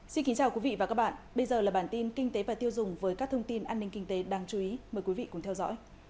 xin kính chào quý vị và các bạn bây giờ là bản tin kinh tế và tiêu dùng với các thông tin an ninh kinh tế đáng chú ý mời quý vị cùng theo dõi